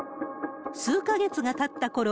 数か月がたったころ、